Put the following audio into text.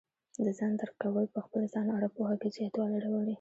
د ځان درک کول په خپل ځان اړه پوهه کې زیاتوالی راولي.